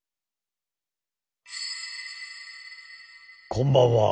こんばんは。